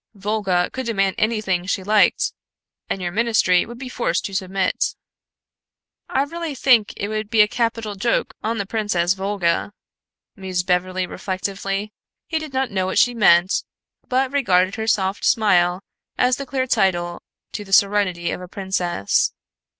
Volga could demand anything she liked, and your ministry would be forced to submit." "I really think it would be a capital joke on the Princess Volga," mused Beverly reflectively. He did not know what she meant, but regarded her soft smile as the clear title to the serenity of a princess.